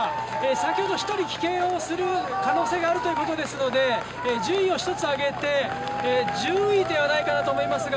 先ほど、１人棄権をすることがあるということですので順位を一つ上げて１０位ではないかなと思いますが。